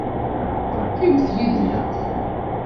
Qqimet yid-nneɣ.